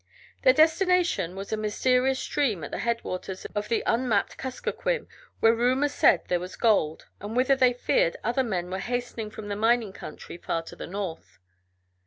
Their destination was a mysterious stream at the headwaters of the unmapped Kuskokwim, where rumor said there was gold, and whither they feared other men were hastening from the mining country far to the north.